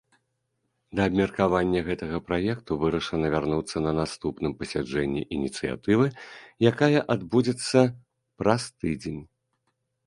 Да абмеркавання гэтага праекту вырашана вярнуцца на наступным пасяджэнні ініцыятывы, якае адбудзецца праз тыдзень.